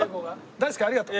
大介ありがとう。